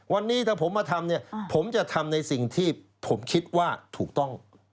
วันนี้ถ้าผมมาทำเนี่ยผมจะทำในสิ่งที่ผมคิดว่าถูกต้อง